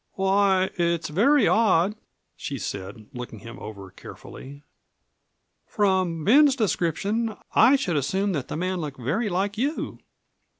"Why it's very odd," she said, looking him over carefully; "from Ben's description I should assume that the man looked very like you!"